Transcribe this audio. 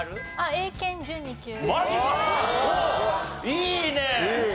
いいねえ！